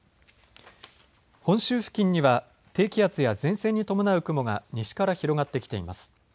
本州付近には低気圧や前線に伴う雲が西から広がってきています。